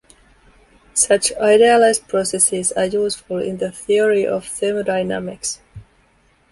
Such idealized processes are useful in the theory of thermodynamics.